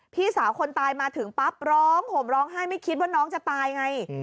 พี่สาวคนตายมาถึงปั๊บร้องห่มร้องไห้ไม่คิดว่าน้องจะตายไง